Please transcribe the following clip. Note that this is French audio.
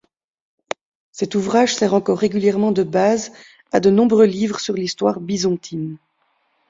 Cet ouvrage sert encore régulièrement de base à de nombreux livres sur l'histoire bisontine.